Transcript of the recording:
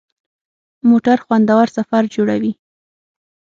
موټر خوندور سفر جوړوي.